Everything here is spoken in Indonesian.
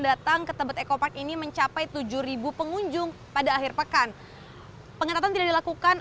datang ke tebet ekopark ini mencapai tujuh ribu pengunjung pada akhir pekan pengetahuan dilakukan